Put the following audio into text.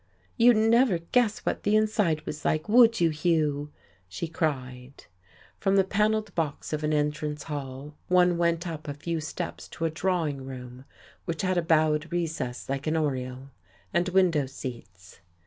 "You'd never guess what the inside was like, would you, Hugh?" she cried. From the panelled box of an entrance hall one went up a few steps to a drawing room which had a bowed recess like an oriel, and window seats.